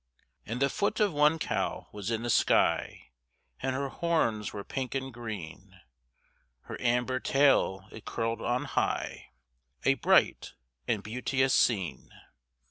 And the foot of one cow was in the sky, And her horns were pink and green; Her amber tail it curled on high A bright and beauteous scene.